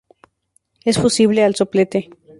Es fusible al soplete.